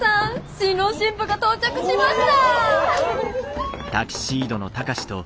新郎新婦が到着しました！